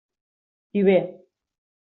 I bé.